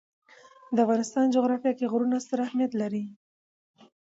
د افغانستان جغرافیه کې غرونه ستر اهمیت لري.